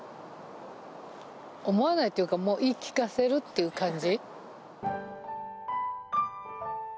思わないっていうかもう言い聞かせるっていう感じ。